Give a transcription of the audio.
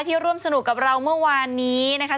ร่วมสนุกกับเราเมื่อวานนี้นะคะ